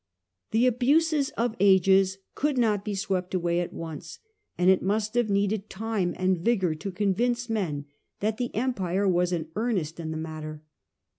The abuses of ages could not be swept away at once, and it must have needed time and vigour to convince men that the Empire was in earnest in the matter.